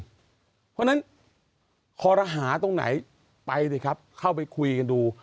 เพราะฉะนั้นคอรหาตรงไหนไปสิครับเข้าไปคุยกันดู